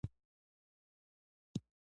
پښتو زموږ د نیکونو ژبه ده.